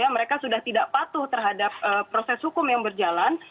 mereka sudah tidak patuh terhadap proses hukum yang berjalan